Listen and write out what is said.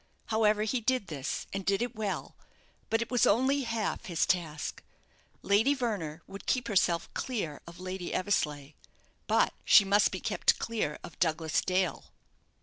However, he did this, and did it well; but it was only half his task. Lady Verner would keep herself clear of Lady Eversleigh, but she must be kept clear of Douglas Dale."